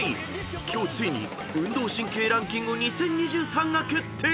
［今日ついに運動神経ランキング２０２３が決定］